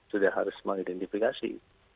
sudah harus mengidentifikasi